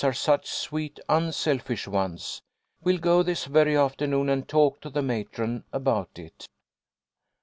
are such sweet unselfish ones. We'll go this very afternoon and talk to the matron about it."